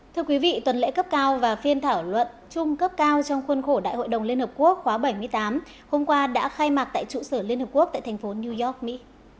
thưa quý vị tuần lễ cấp cao và phiên thảo luận chung cấp cao trong khuôn khổ đại hội đồng liên hợp quốc khóa bảy mươi tám hôm qua đã khai mạc tại trụ sở liên hợp quốc tại thành phố new york mỹ